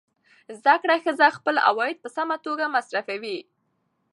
زده کړه ښځه خپل عواید په سمه توګه مصرفوي.